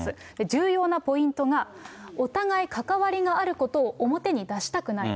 重要なポイントが、お互い関わりあることを表に出したくない。